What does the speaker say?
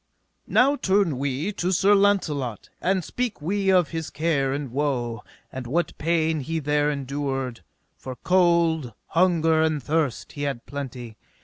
Now turn we to Sir Launcelot, and speak we of his care and woe, and what pain he there endured; for cold, hunger, and thirst, he had plenty.